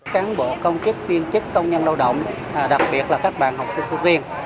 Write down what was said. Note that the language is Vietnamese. cáng bộ công chức viên chức công nhân lao động đặc biệt là các bạn học sinh xuất viên